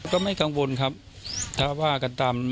ก็ไม่กังวลครับถ้าว่ากันตาม